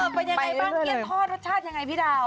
เป็นยังไงบ้างเกี้ยทอดรสชาติยังไงพี่ดาว